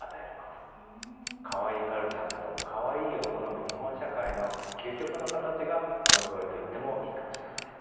Ｋａｗａｉｉカルチャーなどかわいいを好む日本社会の究極の形が萌え声と言ってもいいかもしれません。